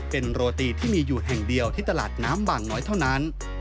เป็นโรตีที่มีอยู่แห่งเดียวที่ตลาดน้ำบางน้อยเท่านั้น